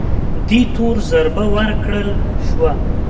دې تور ضربه ورکړل شوه